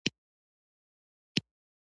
زه اووه کتابونه لولم.